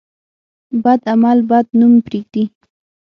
بد عمل بد نوم پرېږدي.